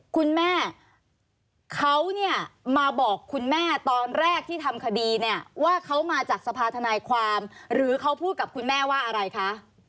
คุณแม่เขาเนี่ยมาบอกคุณแม่ตอนแรกที่ทำคดีเนี่ยว่าเขามาจากสภาธนายความหรือเขาพูดกับคุณแม่ว่าอะไรคะ